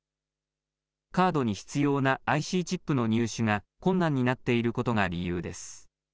カードに必要なＩＣチップの入手が困難になっていることが理由です。